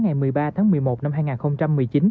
ngày một mươi ba tháng một mươi một năm hai nghìn một mươi chín